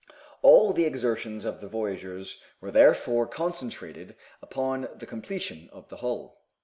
All the exertions of the voyagers were therefore concentrated upon the completion of the hull.